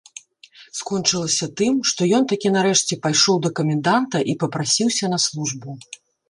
Скончылася тым, што ён такі нарэшце пайшоў да каменданта і папрасіўся на службу.